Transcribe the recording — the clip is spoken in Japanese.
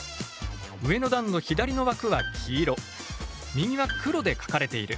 上の段の左の枠は黄色右は黒で書かれている。